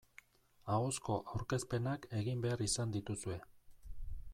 Ahozko aurkezpenak egin behar izan dituzue.